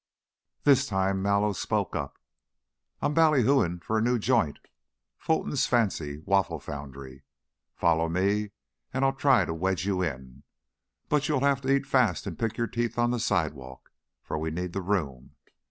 This time Mallow spoke up. "I'm bally hooing for a new joint; Fulton's Fancy Waffle Foundry. Follow me and I'll try to wedge you in. But you'll have to eat fast and pick your teeth on the sidewalk, for we need the room."